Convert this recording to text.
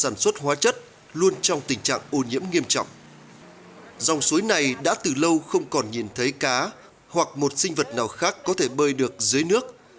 nếu có một cây cá hoặc một sinh vật nào khác có thể bơi được dưới nước